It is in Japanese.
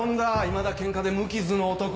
いまだケンカで無傷の男。